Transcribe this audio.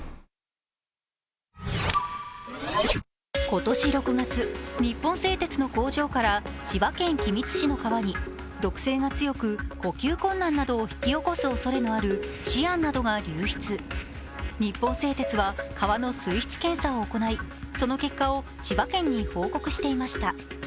今年６月、日本製鉄の工場から千葉県君津市の川に毒性が強く呼吸困難などを引き起こすおそれがあるシアンなどが流出日本製鉄は川の水質検査を行いその結果を千葉県に報告していました。